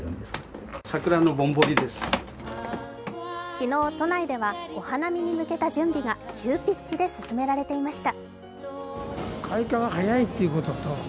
昨日、都内ではお花見に向けた準備が急ピッチで進められていました。